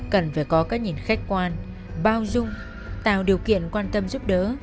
cần phải có cái nhìn khách quan bao dung tạo điều kiện quan tâm giúp đỡ